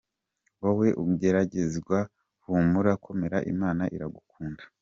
Wowe ugeragezwa, humura, komera Imana iragukunda!.